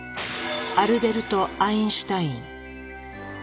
アルベルト・アインシュタイン。